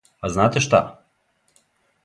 А знате шта?